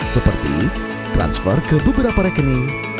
seperti transfer ke beberapa rekening